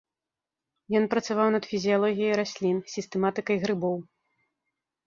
Ён працаваў над фізіялогіяй раслін, сістэматыкай грыбоў.